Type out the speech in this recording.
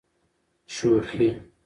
شوخي.